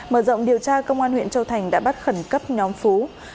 mở rộng điều tra công an huyện châu thành đã bắt khẩn cấp nhóm phú